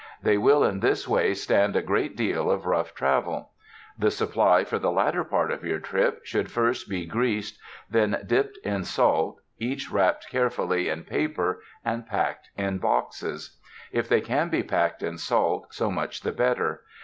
They will in this way stand a great deal of rough travel. The supply for the latter part of your trip, should first be greased, then dipped in salt, each wrapped carefully in paper and packed in boxes. If they can be packed in salt, so much the better.